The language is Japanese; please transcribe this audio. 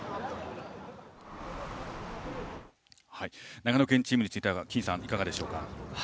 長野県チームについては金さん、いかがですか。